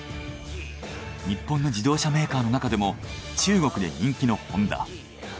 日本の自動車メーカーの中でも中国で人気のホンダ。